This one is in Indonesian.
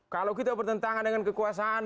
kalau kita bertentangan dengan kekuasaan